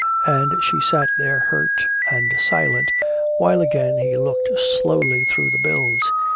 And she sat there hurt and silent while again he looked slowly through the bills.